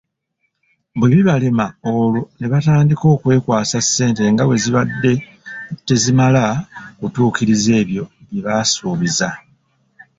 Bwe bibalema olwo nebatandika okwekwasa ssente nga bwezibadde tezimala kutuukiriza ebyo byebaasuubiza,